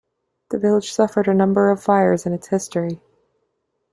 The village suffered a number of fires in its history.